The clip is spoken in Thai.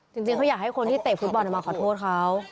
จริงเขาอยากให้คนที่เตะฟุตบอลมาขอโทษเขา